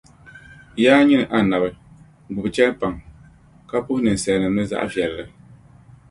Yaa nyini Annabi! Gbibi chεmpaŋ, ka puhi ninsalinim ni zaɣivεlli.